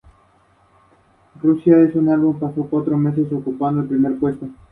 Donó numerosos regalos a la iglesia de Todos los Santos de Wittenberg.